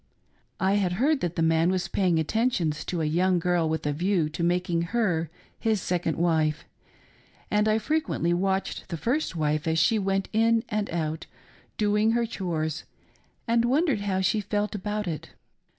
I had heard that the man was paying attentions to a young girl with a view to making her his second wife, and I frequently watched the first wife as she went in and out, doing her chores, and won dered how she felt about it.